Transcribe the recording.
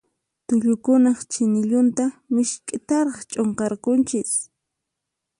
Tullukunaq chinillunta misk'itaraq ch'unqarqunchis.